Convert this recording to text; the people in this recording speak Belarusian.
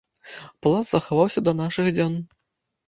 Палац захаваўся да нашых дзён.